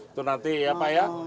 itu nanti ya pak ya